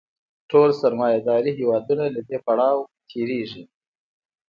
ټول سرمایه داري هېوادونه له دې پړاو تېرېږي